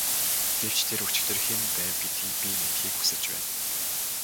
Гэвч тэр өчигдөр хэн байв гэдгийг би мэдэхийг хүсэж байна.